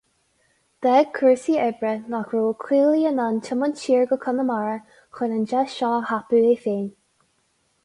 D'fhág cúrsaí oibre nach raibh Ó Caollaí in ann tiomáint siar go Conamara chun an deis seo a thapú é féin.